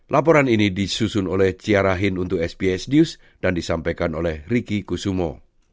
laporan ini disusun oleh ciara hin untuk sbs news dan disampaikan oleh riki kusumo